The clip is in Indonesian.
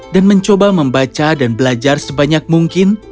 dan mencoba membaca dan belajar sebanyak mungkin